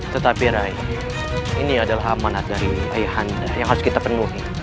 tetapi rai ini adalah amanah dari ayahanda yang harus kita penuhi